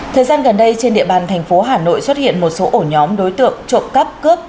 thời gian gần đây trên địa bàn thành phố hà nội xuất hiện một số ổ nhóm đối tượng trộm cắp cướp